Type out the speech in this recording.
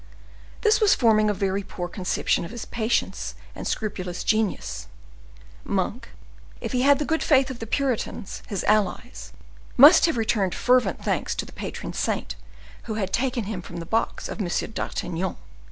This was forming a very poor conception of his patience and scrupulous genius. Monk, if he had the good faith of the Puritans, his allies, must have returned fervent thanks to the patron saint who had taken him from the box of M. d'Artagnan.